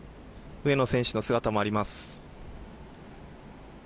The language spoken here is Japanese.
上野選手の姿もあります。